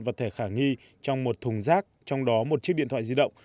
vật thể khả nghi trong một thùng rác trong đó một chiếc điện thoại di động